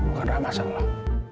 gak ada masalah